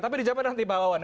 tapi dijawab nanti pak wawan